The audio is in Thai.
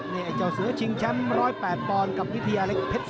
นี่ไอ้เจ้าเสือชิงแชมป์๑๐๘ปอนด์กับวิทยาเล็กเพชร